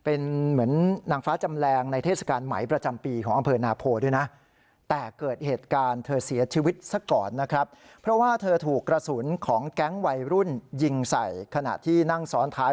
เป็นเหมือนหนังฟ้าจำแรงในเทศกาลไหมประจำปีของอังเภณาโพล์ด้วย